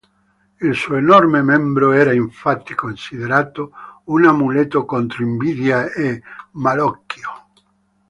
Il suo enorme membro era infatti considerato un amuleto contro invidia e malocchio.